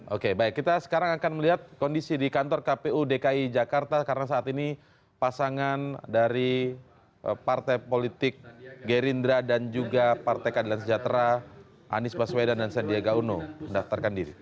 oke baik kita sekarang akan melihat kondisi di kantor kpu dki jakarta karena saat ini pasangan dari partai politik gerindra dan juga partai keadilan sejahtera anies baswedan dan sandiaga uno mendaftarkan diri